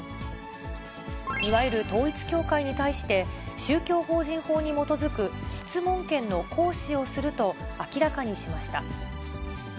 いわゆる統一教会に対して、宗教法人法に基づく質問権の行使をすると明らかにしました。